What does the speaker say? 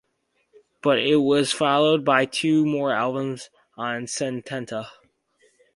But it was followed by two more albums on Setanta.